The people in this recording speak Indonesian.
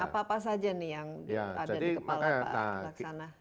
banyak saja nih yang ada di kepala pak laksana